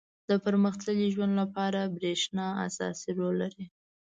• د پرمختللي ژوند لپاره برېښنا اساسي رول لري.